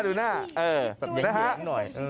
แบบเหยียงหน่อย